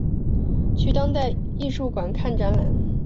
去当代艺术馆看展览